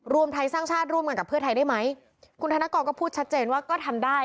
รวมไทยสร้างชาติร่วมกันกับเพื่อไทยได้ไหมคุณธนกรก็พูดชัดเจนว่าก็ทำได้